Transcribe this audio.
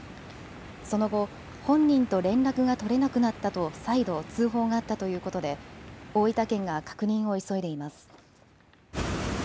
その後、本人と連絡が取れなくなったと再度、通報があったということで大分県が確認を急いでいます。